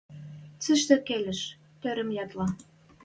Цишти келеш. Тӧрӹм йӓтлӓ.